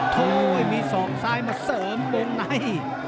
โถมีศอกซ้ายมาเสริมวงใน